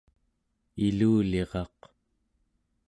iluliraq